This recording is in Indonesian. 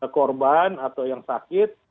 korban atau yang sakit